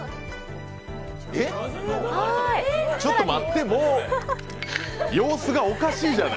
えっ、ちょっと待って、もう様子がおかしいじゃない。